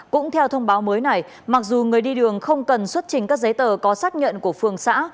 cũng theo thông báo mới này mặc dù người đi đường không cần xuất trình các giấy tờ có xác nhận của phường xã